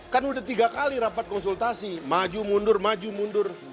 kan udah tiga kali rapat konsultasi maju mundur maju mundur